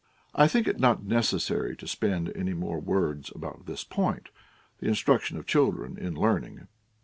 I think it not necessary to spend many more Avords about this point, the instruction of children in learning.